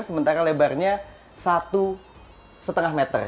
sementara lebarnya satu lima meter